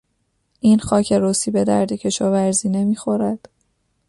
این خاک رسی به درد کشاورزی نمیخورد.